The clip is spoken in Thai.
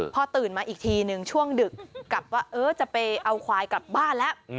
พอตื่นมาอีกทีหนึ่งช่วงดึกกลับว่าจะไปเอาควายกลับบ้านแล้ว